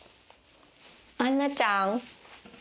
アンナちゃん。